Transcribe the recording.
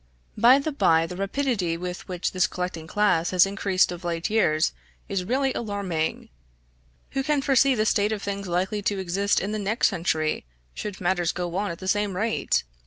By the bye, the rapidity with which this collecting class has increased of late years is really alarming; who can foresee the state of things likely to exist in the next century, should matters go on at the same rate?